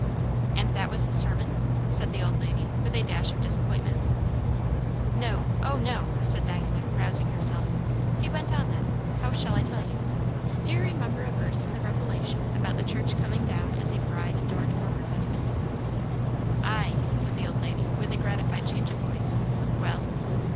"And that was his sermon?" said the old lady with a dash of disappointment. "No! O no," said Diana, rousing herself. "He went on then how shall I tell you? Do you remember a verse in the Revelation about the Church coming down as a bride adorned for her husband?" "Ay!" said the old lady with a gratified change of voice. "Well?"